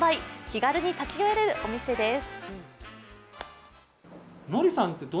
気軽に立ち寄れるお店です。